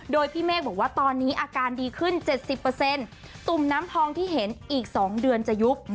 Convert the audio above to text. โดยพี่เมฆบอกว่าตอนนี้อาการดีขึ้น๗๐ตุ่มน้ำทองที่เห็นอีก๒เดือนจะยุบ